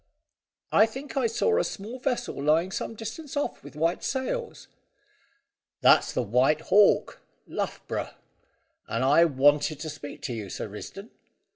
"I think I saw a small vessel lying some distance off, with white sails." "That's the White Hawk, Luff Brough. And I wanted to speak to you, Sir Risdon."